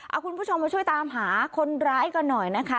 เอาคุณผู้ชมมาช่วยตามหาคนร้ายกันหน่อยนะคะ